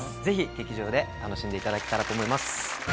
ぜひ劇場で楽しんでいただけたらと思います。